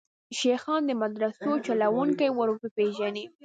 شیخان د مدرسو چلوونکي وروپېژني.